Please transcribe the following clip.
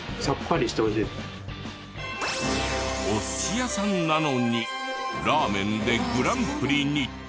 お寿司屋さんなのにラーメンでグランプリに。